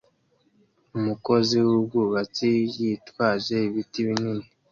Umukozi wubwubatsi yitwaje ibiti binini